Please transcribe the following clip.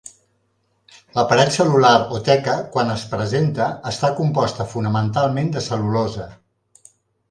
La paret cel·lular o teca, quan es presenta, està composta fonamentalment de cel·lulosa.